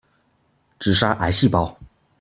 只殺癌細胞！